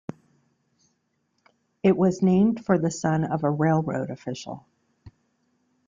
It was named for the son of a railroad official.